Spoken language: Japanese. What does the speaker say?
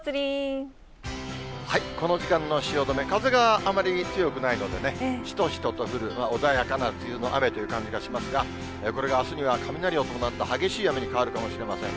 この時間の汐留、風があまり強くないのでね、しとしとと降る穏やかな梅雨の雨という感じがしますが、これがあすには雷を伴った激しい雨に変わるかもしれません。